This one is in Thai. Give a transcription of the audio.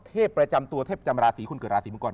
ประจำตัวเทพจำราศีคนเกิดราศีมังกร